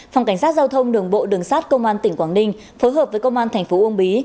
phòng cảnh sát giao thông đường bộ đường sát công an tỉnh quảng ninh phối hợp với công an thành phố uông bí